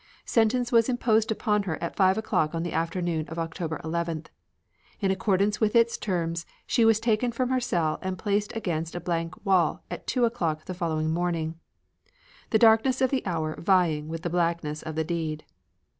Sentence was imposed upon her at five o'clock on the afternoon of October 11th. In accordance with its terms, she was taken from her cell and placed against a blank wall at two o'clock the following morning the darkness of the hour vying with the blackness of the deed.